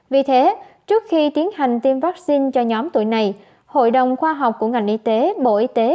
vì thế trước khi tiến hành tiêm vaccine cho nhóm tuổi này hội đồng khoa học của ngành y tế bộ y tế